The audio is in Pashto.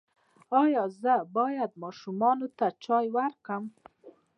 ایا زه باید ماشوم ته چای ورکړم؟